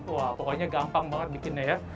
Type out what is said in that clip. wah pokoknya gampang banget bikinnya ya